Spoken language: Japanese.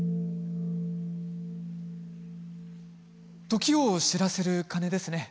時を知らせる鐘ですね。